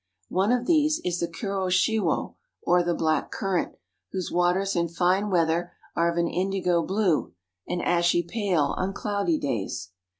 One of these is the Kuroshiwo, or the Black Current, whose waters in fine weather are of an indigo blue and ashy pale on cloudy days.